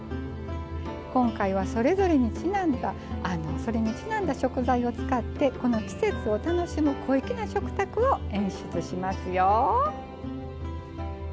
今回はそれぞれにちなんだ食材を使ってこの季節を楽しむ小粋な食卓を演出しますよ。